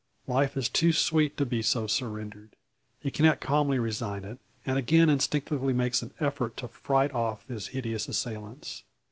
Life is too sweet to be so surrendered. He cannot calmly resign it, and again instinctively makes an effort to fright off his hideous assailants.